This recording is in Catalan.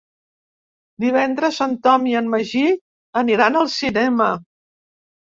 Divendres en Tom i en Magí aniran al cinema.